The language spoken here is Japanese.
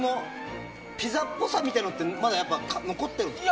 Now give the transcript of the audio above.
ピザっぽさってまだ残ってるんですか。